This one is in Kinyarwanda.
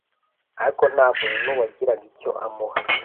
ariko nta muntu wagiraga icyo amuha.